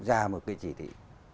ra một cái chỉ thị